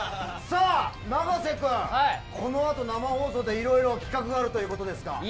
さあ、永瀬君、このあと生放送で、いろいろ企画があるということですが。